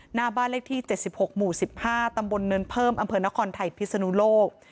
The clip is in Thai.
หน้าบ้านเลขที่๗๖หมู่๑๕ตำบลเนินเพิ่มอำเภอนครไทยพิศนุโลก